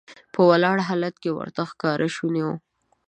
په ولاړ حالت کې ورته ښکار شونی و.